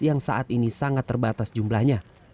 yang saat ini sangat terbatas jumlahnya